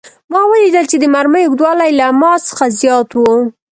ما ولیدل چې د مرمۍ اوږدوالی له ما څخه زیات و